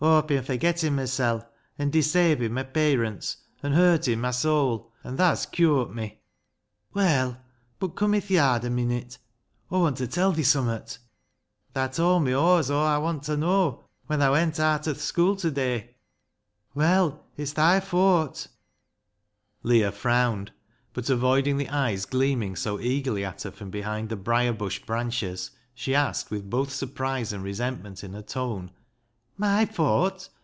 "" AwVe bin forgettin' mysel', an' desavin' my payrunts, an' hurtin' my sowl, an' tha's cur't me." " Well, bud come i' th' yard a minute. Aw want t' tell thi summat." " Thaa towd me aw' as Aw want ta know when thaa went aat o' th' schoo' ta day." LEAH'S LOVER 45 " Well, it's thy fawt." Leah frowned, but avoiding the eyes gleam ing so eagerly at her from behind the briar bush branches, she asked, with both surprise and resentment in her tone —" My fawt